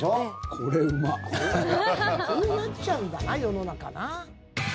こうなっちゃうんだな世の中な。